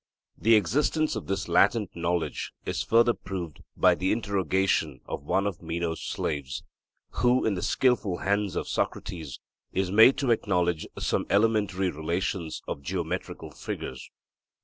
The existence of this latent knowledge is further proved by the interrogation of one of Meno's slaves, who, in the skilful hands of Socrates, is made to acknowledge some elementary relations of geometrical figures.